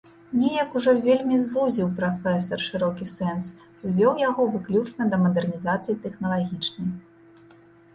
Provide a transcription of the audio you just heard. Неяк ужо вельмі звузіў прафесар шырокі сэнс, звёў яго выключна да мадэрнізацыі тэхналагічнай.